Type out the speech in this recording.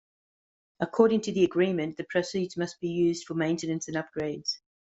According to the agreement, the proceeds must be used for maintenance and upgrades.